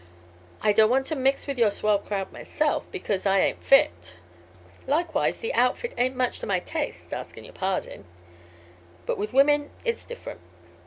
I don't want to mix with your swell crowd myself, because I ain't fit; likewise the outfit ain't much to my taste, askin' your pardon; but with women it's different.